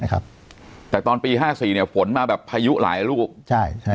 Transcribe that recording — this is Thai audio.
ครับแต่ตอนปีห้าสี่เนี้ยฝนมาแบบพายุหลายลูกใช่ใช่ไหม